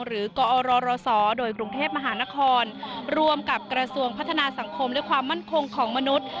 กอรศโดยกรุงเทพมหานครรวมกับกระทรวงพัฒนาสังคมและความมั่นคงของมนุษย์